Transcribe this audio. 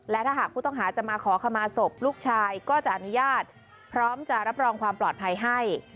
และถ้าหากผู้ต้องหาจะมาขอขมาศพลูกชายก็จะอนุญาตพร้อมจะรับรองความปลอดภัยให้